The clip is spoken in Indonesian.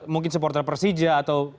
mungkin supporter persija atau